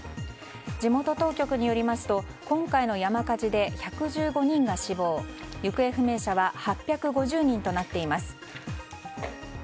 地元当局によりますと今回の山火事で１１５人が死亡行方不明者は８５０人となっています。